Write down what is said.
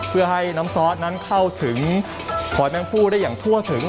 เพื่อให้น้ำซอสนั้นเข้าถึงหอยแมงฟูได้อย่างทั่วถึง